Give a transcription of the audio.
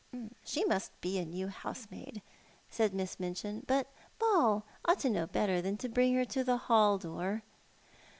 " She must be a new housemaid," said Miss Minchin ;" but Ball ought to know better than to bring her to the hall door."